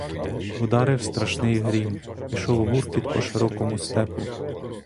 Ударив страшний грім, пішов гуркіт по широкому степу.